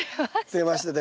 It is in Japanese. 出ました。